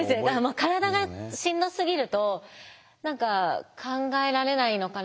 体がしんどすぎると何か考えられないのかな